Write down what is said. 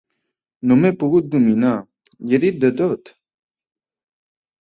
No m'he pogut dominar: li he dit de tot!